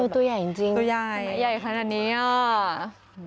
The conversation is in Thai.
ตัวใหญ่จริงทำไมใหญ่ขนาดนี้อ่ะอื้อตัวใหญ่จริง